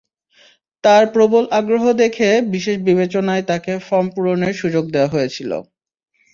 তাঁর প্রবল আগ্রহ দেখে বিশেষ বিবেচনায় তাঁকে ফরম পূরণের সুযোগ দেওয়া হয়েছিল।